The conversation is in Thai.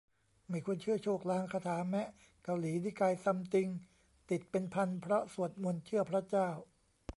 ไม่ควรเชื่อโชคลางคาถาแมะ เกาหลีนิกายซัมติงติดเป็นพันเพราะสวดมนต์เชื่อพระเจ้า